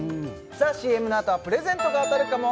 ＣＭのあとはプレゼントが当たるかも？